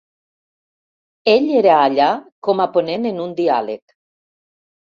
Ell era allà com a ponent en un diàleg.